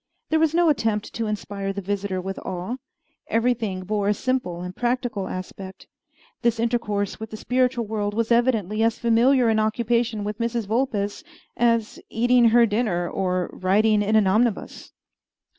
There was no attempt to inspire the visitor with awe. Everything bore a simple and practical aspect. This intercourse with the spiritual world was evidently as familiar an occupation with Mrs. Vulpes as eating her dinner or riding in an omnibus.